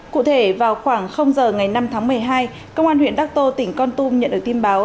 cụ thể vào khoảng giờ ngày năm tháng một mươi hai công an huyện đắc tô tỉnh con tum nhận được tin báo